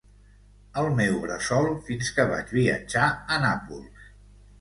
El meu bressol fins que vaig viatjar a Nàpols.